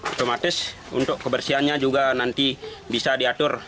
otomatis untuk kebersihannya juga nanti bisa diatur